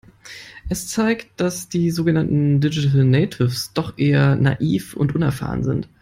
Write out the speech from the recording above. Es zeigt, dass die sogenannten Digital Natives doch eher naiv und unerfahren sind.